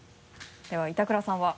では板倉さんは？